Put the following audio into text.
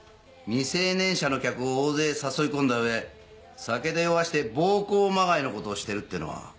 未成年者の客を大勢誘い込んだうえ酒で酔わせて暴行まがいのことをしているっていうのは。